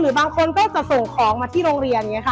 หรือบางคนก็จะส่งของมาที่โรงเรียน